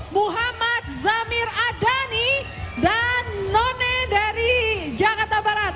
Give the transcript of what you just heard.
muhammad zamir adani dan none dari jakarta barat